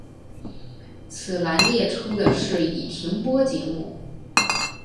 此栏列出的是已停播节目。